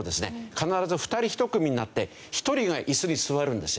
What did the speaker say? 必ず２人１組になって１人が椅子に座るんですよ。